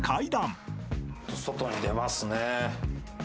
外に出ますね。